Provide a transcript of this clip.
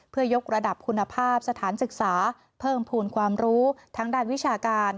เพื่อยกระดับคุณภาพสถานศึกษาเพิ่มภูมิความรู้ทั้งด้านวิชาการ